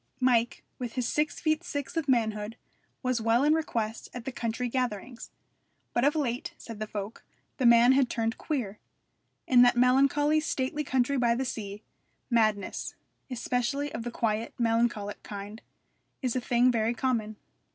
Mike, with his six feet six of manhood, was well in request at the country gatherings. But of late, said the folk, the man had turned queer: in that melancholy, stately country by the sea, madness especially of the quiet, melancholic kind is a thing very common.